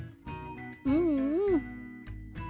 うんうん。